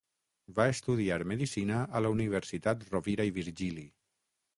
Va estudiar medicina a la Universitat Rovira i Virgili.